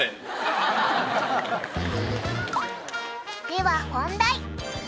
では本題。